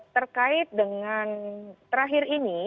terkait dengan terakhir ini